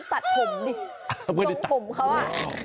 แล้วคุณดูตัดผมดิตรงผมเขาอ่ะ